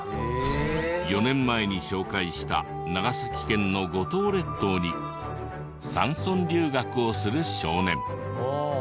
４年前に紹介した長崎県の五島列島に山村留学をする少年。